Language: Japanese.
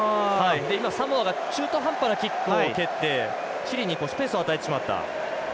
今、サモアが中途半端なキックを蹴ってチリにスペースを与えてしまった。